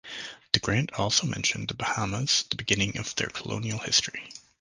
The grant also mentioned the Bahamas, the beginning of their colonial history.